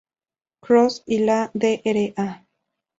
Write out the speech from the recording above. Cross y la Dra.